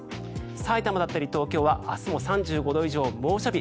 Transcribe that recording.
埼玉だったり東京は明日も３５度以上の猛暑日。